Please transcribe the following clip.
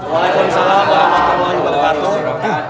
waalaikumsalam warahmatullahi wabarakatuh